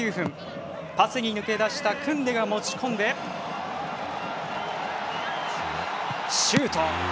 パスに抜け出したクンデが持ち込んでシュート！